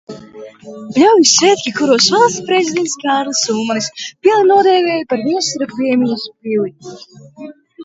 Pļaujas svētki, kuros Valsts prezidents Kārlis Ulmanis pili nodēvēja par Viestura piemiņas pili.